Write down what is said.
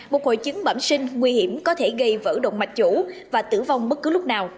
một hội chứng bẩm sinh nguy hiểm có thể gây vỡ động mạch chủ và tử vong bất cứ lúc nào